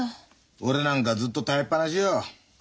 俺なんかずっと耐えっ放しよ。